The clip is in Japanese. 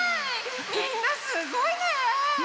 みんなすごいね！ね！